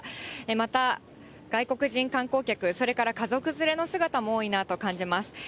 また外国人観光客、それから家族連れの姿も多いなと感じます。